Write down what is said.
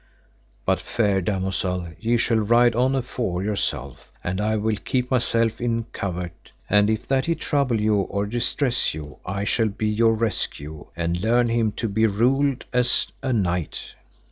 But, fair damosel, ye shall ride on afore, yourself, and I will keep myself in covert, and if that he trouble you or distress you I shall be your rescue and learn him to be ruled as a knight.